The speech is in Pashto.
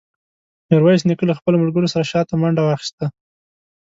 میرویس نیکه له خپلو ملګرو سره شاته منډه واخیسته.